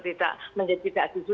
tidak menjajikan itu